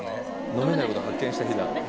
「飲めない事を発見した日だ」